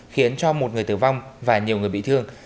khiến cho một người tử vong và nhiều người bị thương